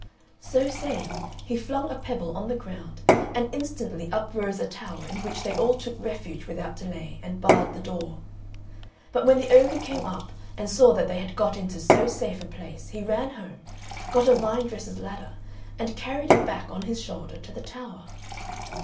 So saying, he flung a pebble on the ground and instantly up rose a tower in which they all took refuge without delay, and barred the door. But when the ogre came up and saw that they had got into so safe a place he ran home, got a vine dresser's ladder, and carried it back on his shoulder to the tower.